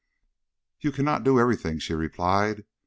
"You cannot do every thing," she replied.